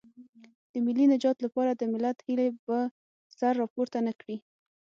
د ملي نجات لپاره د ملت هیلې به سر راپورته نه کړي.